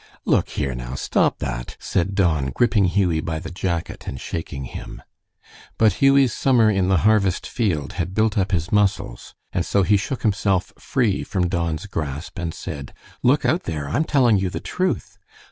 "Look here now, stop that!" said Don, gripping Hughie by the jacket and shaking him. But Hughie's summer in the harvest field had built up his muscles, and so he shook himself free from Don's grasp, and said, "Look out there! I'm telling you the truth.